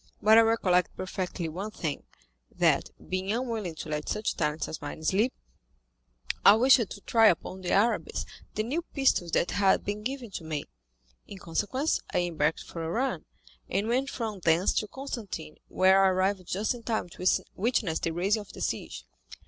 "But I recollect perfectly one thing, that, being unwilling to let such talents as mine sleep, I wished to try upon the Arabs the new pistols that had been given to me. In consequence I embarked for Oran, and went from thence to Constantine, where I arrived just in time to witness the raising of the siege.